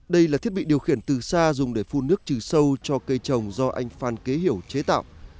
đây là thiết bị điều khiển từ xa dùng để phun nước trừ sâu cho cây trồng do anh phan kế hiểu chế tạo